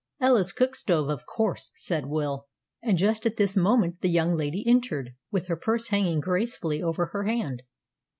"Ella's cook stove, of course," said Will; and just at this moment the young lady entered, with her purse hanging gracefully over her hand.